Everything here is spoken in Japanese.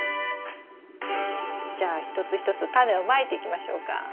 じゃあ一つ一つタネをまいていきましょうか。